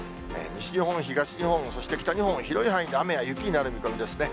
西日本、東日本、そして北日本、広い範囲で雨や雪になる見込みですね。